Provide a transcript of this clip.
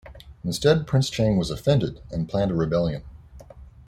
Instead, Prince Chang was offended and planned a rebellion.